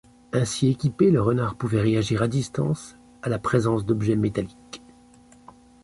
Ainsi équipé, le renard pouvait réagir à distance à la présence d'objets métalliques.